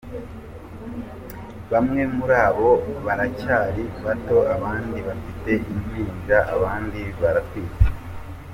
Bamwe muri bo baracyari bato, abandi bafite impinja, abandi baratwite.